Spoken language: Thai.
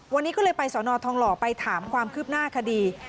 วันนี้ก็เลยไปสอนอทองหล่อไปถามความคืบหน้าคดี